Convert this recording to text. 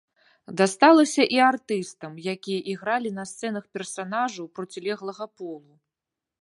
Дасталася і артыстам, якія ігралі на сцэнах персанажаў процілеглага полу.